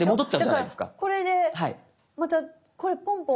だからこれでまたこれポンポン。